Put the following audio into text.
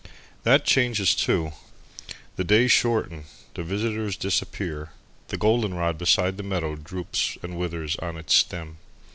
That changes too. The days shorten. The visitors disappear. The golden rod beside the meadow droops and withers on its stem.